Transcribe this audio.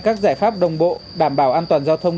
các giải pháp đồng bộ đảm bảo an toàn giao thông